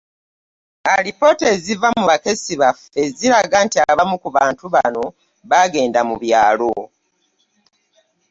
Alipoota eziva mu bakessi baffe ziraga nti abamu ku bantu bano baagenda mu byalo